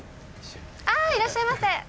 あぁいらっしゃいませ！